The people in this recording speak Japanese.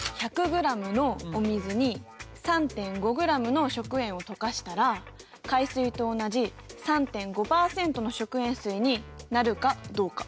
１００ｇのお水に３．５ｇの食塩を溶かしたら海水と同じ３．５％の食塩水になるかどうか。